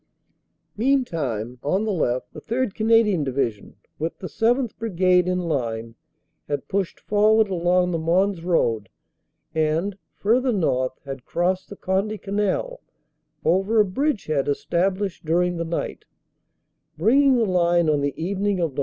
Meantime on the left the 3rd. Canadian Division, with the 7th. Brigade in line, had pushed forward along the Mons road and, further north, had crossed the Conde canal over a bridge head established during the night, bringing the line on the evening of Nov.